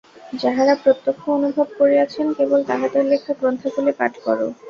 যাঁহারা প্রত্যক্ষ অনুভব করিয়াছেন, কেবল তাঁহাদের লেখা গ্রন্থাবলী পাঠ কর।